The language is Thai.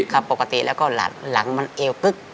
ครับปกติแล้วก็หลังมันเอวปึ๊ก